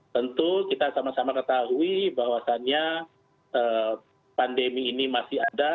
tentu kita sama sama ketahui bahwasannya pandemi ini masih ada